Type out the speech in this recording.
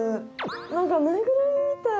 なんかぬいぐるみみたい。